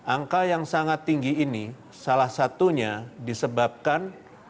angka yang sangat tinggi ini salah satunya disebabkan